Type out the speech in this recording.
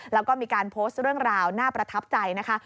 แล้วก็มีการโพสต์เรื่องราวน่าประทับใจนะคะ